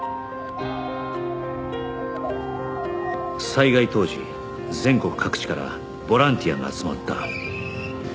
災害当時全国各地からボランティアが集まった